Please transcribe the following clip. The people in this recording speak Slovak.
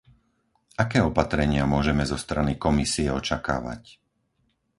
Aké opatrenia môžeme zo strany Komisie očakávať?